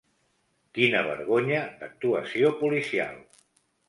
Quina vergonya d'actuació policial.